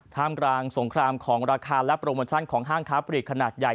ท่ามกลางสงครามของราคาและโปรโมชั่นของห้างค้าปลีกขนาดใหญ่